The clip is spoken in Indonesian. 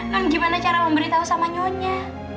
lalu gimana cara memberitahu sama nyonya